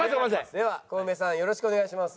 ではコウメさんよろしくお願いします。